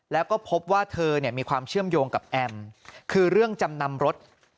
แล้วก็พบว่าเธอมีความเชื่อมโยงกับแอมคือเรื่องจำนำรถ